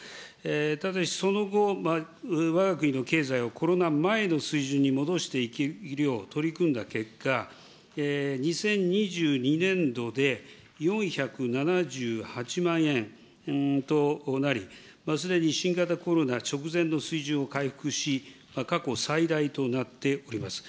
ただし、その後、わが国の経済をコロナ前の水準に戻していけるよう取り組んだ結果、２０２２年度で４７８万円となり、すでに新型コロナ直前の水準を回復し、過去最大となっております。